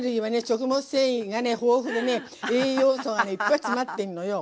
食物繊維が豊富でね栄養素がいっぱい詰まってんのよ。